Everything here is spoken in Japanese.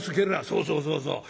「そうそうそうそう。